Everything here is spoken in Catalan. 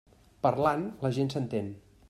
Parlant, la gent s'entén.